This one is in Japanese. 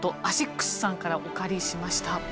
アシックスさんからお借りしました。